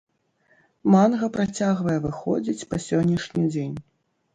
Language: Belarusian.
Манга працягвае выходзіць па сённяшні дзень.